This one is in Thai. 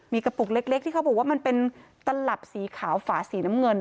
มีกระปุกเล็กที่เขาบอกว่ามันเป็นตลับสีขาวฝาสีน้ำเงิน